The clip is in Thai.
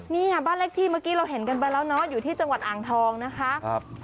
เนี่ยบ้านเลขที่เมื่อกี้เราเห็นกันไปแล้วเนาะอยู่ที่จังหวัดอ่างทองนะคะ